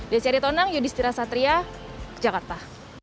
desyari tonang yudhistira satria jakarta